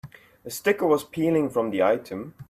The sticker was peeling from the item.